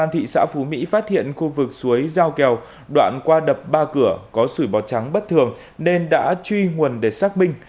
thị xã phú mỹ phát hiện khu vực suối giao kèo đoạn qua đập ba cửa có sủi bọt trắng bất thường nên đã truy nguồn để xác minh